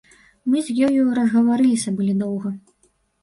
Мы з ёю разгаварыліся былі доўга.